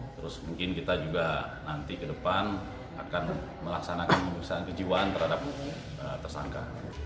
terus mungkin kita juga nanti ke depan akan melaksanakan pemeriksaan kejiwaan terhadap tersangka